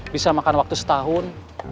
bisa makan waktu setahun